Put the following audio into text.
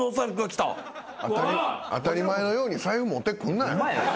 当たり前のように財布持ってくんなよ。